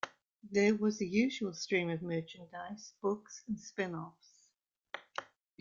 There was the usual stream of merchandise, books and spin-offs.